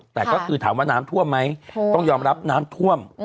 แต่ก็คือถามว่าน้ำท่วมไหมต้องยอมรับน้ำท่วม